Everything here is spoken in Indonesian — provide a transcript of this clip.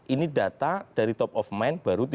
ini data dari top of mind baru tiga puluh enam enam